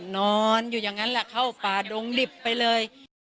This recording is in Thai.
นอนอยู่อย่างนั้นแหละเข้าป่าดงดิบไปเลย